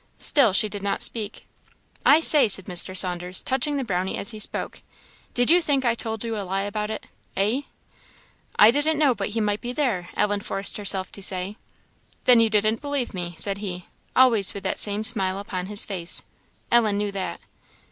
Still she did not speak. "I say!" said Mr. Saunders, touching the Brownie as he spoke "did you think I told you a lie about it? eh?" "I didn't know but he might be there," Ellen forced herself to say. "Then you didn't believe me?" said he, always with that same smile upon his face; Ellen knew that.